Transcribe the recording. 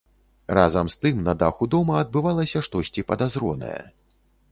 Разам з тым на даху дома адбывалася штосьці падазронае.